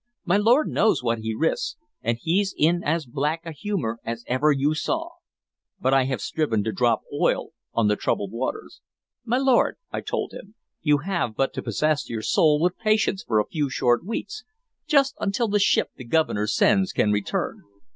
My lord knows what he risks, and he's in as black a humor as ever you saw. But I have striven to drop oil on the troubled waters. 'My lord,' I told him, 'you have but to posses your soul with patience for a few short weeks, just until the ship the Governor sends can return.